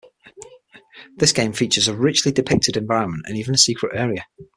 This game features a richly depicted environment and even a secret area.